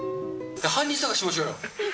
犯人探ししましょうよ。